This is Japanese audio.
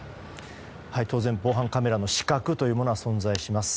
当然、防犯カメラの死角というものは存在します。